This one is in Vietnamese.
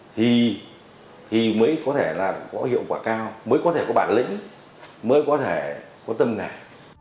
thì mới có thể làm có hiệu quả cao mới có thể có bản lĩnh mới có thể có tâm này